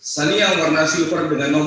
sania warna silver dengan